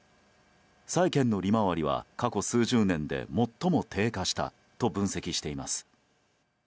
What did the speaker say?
債券の利回りは過去数十年で最も低下したと分析しています。